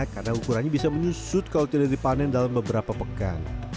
karena ukurannya bisa menyusut kalau tidak dipanen dalam beberapa pekan